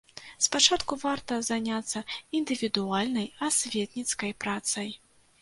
Спачатку варта заняцца індывідуальнай асветніцкай працай.